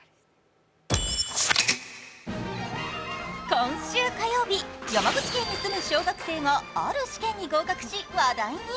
今週火曜日、山口県に住む小学生がある試験に合格し、話題に。